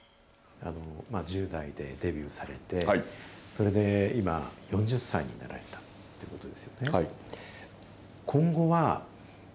１０代でデビューされて、それで今、４０歳になられたということですよね。